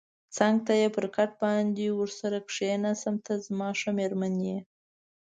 څنګ ته یې پر کټ باندې ورسره کېناستم، ته زما ښه مېرمن یې.